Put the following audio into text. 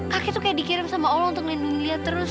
kakek tuh kayak dikirim sama allah untuk melindungi dia terus